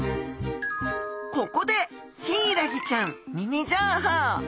ここでヒイラギちゃんミニ情報。